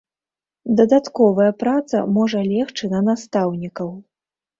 Дадатковая праца можа легчы на настаўнікаў.